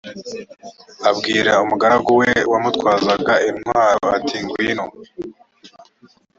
abwira umugaragu we wamutwazaga intwaro ati ngwino.